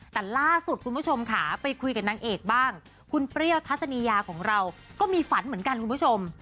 แต่ล่าสุดคุณผู้ชมค่ะไปคุยกับนางเอกบ้างคุณเปรี้ยวทัศนียาของเราก็มีฝันเหมือนกันคุณผู้ชม